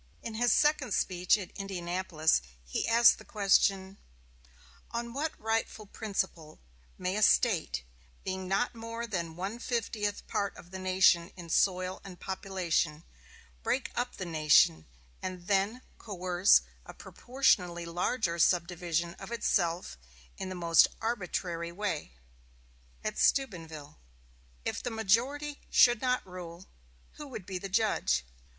In his second speech at Indianapolis he asked the question: "On what rightful principle may a State, being not more than one fiftieth part of the nation in soil and population, break up the nation, and then coerce a proportionally larger subdivision of itself in the most arbitrary way?" At Steubenville: "If the majority should not rule, who would be the judge?